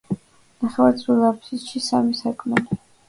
ნახევარწრიულ აფსიდში სამი სარკმელია.